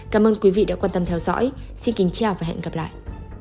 cảm ơn quý vị đã quan tâm theo dõi xin kính chào và hẹn gặp lại